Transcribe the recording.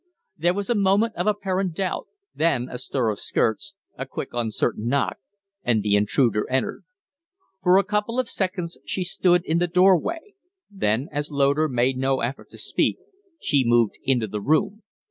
There was a moment of apparent doubt, then a stir of skirts, a quick, uncertain knock, and the intruder entered. For a couple of seconds she stood in the doorway; then, as Loder made no effort to speak, she moved into the room.